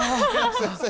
すいません。